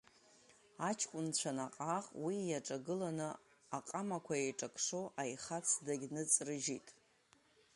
Аҷкәынцәа наҟ-ааҟ уи иаҿагыланы, аҟамақәа еиҿакшо аихац дагьныҵрыжьит.